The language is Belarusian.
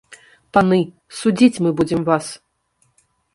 Паны, судзіць мы будзем вас!